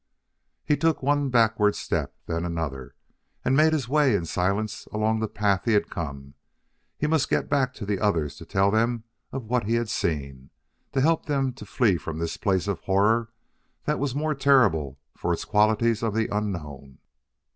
He took one backward step, then another, and made his way in silence along the path he had come. He must get back to the others to tell them of what he had seen; to help them to flee from this place of horror that was more terrible for its qualities of the unknown.